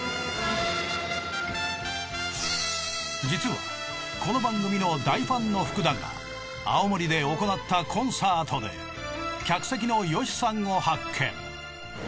実はこの番組の大ファンの福田が青森で行ったコンサートで客席のヨシさんを発見。